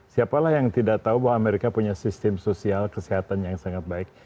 siapalah yang tidak tahu bahwa amerika punya sistem sosial kesehatan yang sangat baik